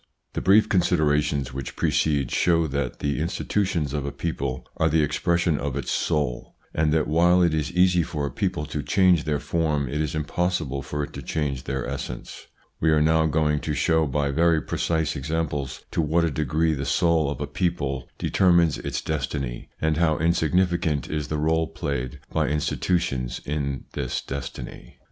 T HE brief considerations which precede show that the institutions of a people are the expres sion of its soul, and that while it is easy for a people to change their form it is impossible for it to change their essence. We are now going to show by very precise examples to what a degree the soul of a 138 THE PSYCHOLOGY OF PEOPLES 139 people determines its destiny, and how insignificant is the role played by institutions in this destiny.